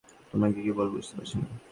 তোমাকে কী বলব বুঝতে পারছি না।